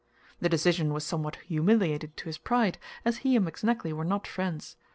This decision was somewhat humiliating to his pride, as he and McSnagley were not friends.